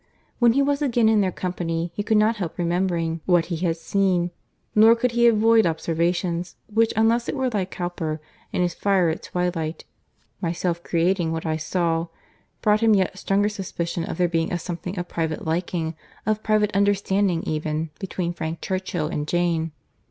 When he was again in their company, he could not help remembering what he had seen; nor could he avoid observations which, unless it were like Cowper and his fire at twilight, "Myself creating what I saw," brought him yet stronger suspicion of there being a something of private liking, of private understanding even, between Frank Churchill and Jane.